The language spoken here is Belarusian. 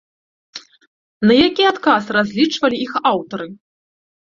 На які адказ разлічвалі іх аўтары?